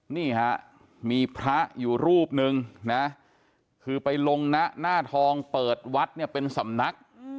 นี่ฮะมีพระอยู่รูปนึงนะคือไปลงนะหน้าทองเปิดวัดเนี่ยเป็นสำนัก